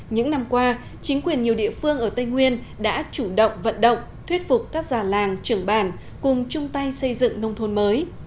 những năm qua chính quyền nhiều địa phương ở tây nguyên đã chủ động vận động thuyết phục các già làng trưởng bản cùng chung tay xây dựng nông thôn mới